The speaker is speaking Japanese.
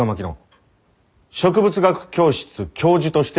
植物学教室教授として命ずる。